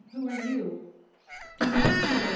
Who are you?" "Do not fear!